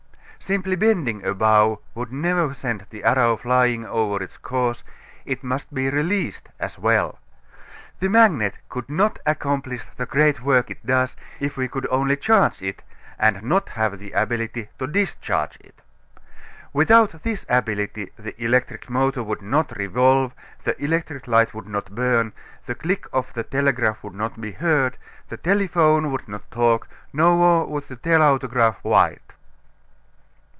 Simply bending a bow would never send the arrow flying over its course; it must be released as well. The magnet could not accomplish the great work it does if we could only charge it and not have the ability to discharge it. Without this ability the electric motor would not revolve, the electric light would not burn, the click of the telegraph would not be heard, the telephone would not talk, nor would the telautograph write.